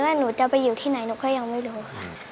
หนูจะไปอยู่ที่ไหนหนูก็ยังไม่รู้ค่ะ